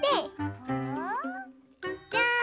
ぽう⁉じゃん！